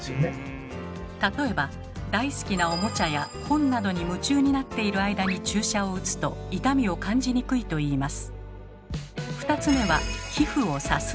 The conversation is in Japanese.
例えば大好きなおもちゃや本などに夢中になっている間に注射を打つと痛みを感じにくいといいます。